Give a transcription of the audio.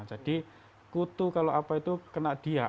jadi kutu kalau apa itu kena dia